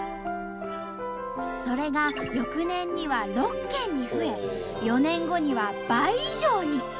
それが翌年には６軒に増え４年後には倍以上に。